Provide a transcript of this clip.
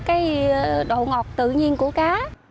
cái độ ngọt tự nhiên của cá